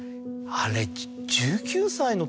あれ。